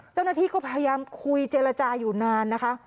เจ้าหน้าที่ก็พยายามคุยเจรจาอยู่นานนะคะ